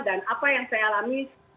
dan apa yang saya alami sebagai pengusaha